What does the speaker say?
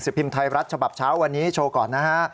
พิมพ์ไทยรัฐฉบับเช้าวันนี้โชว์ก่อนนะฮะ